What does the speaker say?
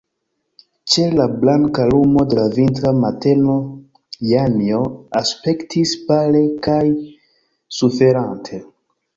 Ĉe la blanka lumo de la vintra mateno Janjo aspektis pale kaj suferante.